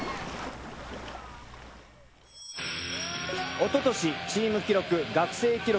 おととしチーム記録学生記録